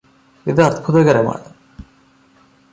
ഇത് അത്ഭുതകരമാണ്